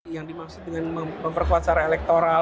yang dimaksud dengan memperkuat secara elektoral